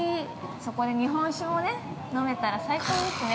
そこで日本酒もね、飲めたら最高ですね。